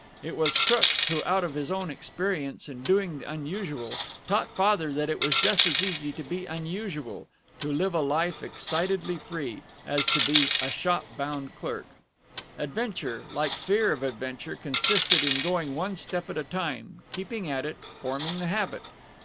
It was Crook who, out of his own experience in doing the unusual, taught Father that it was just as easy to be unusual, to live a life excitedly free, as to be a shop bound clerk. Adventure, like fear of adventure, consisted in going one step at a time, keeping at it, forming the habit....